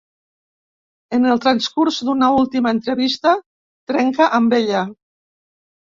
En el transcurs d'una última entrevista, trenca amb ella.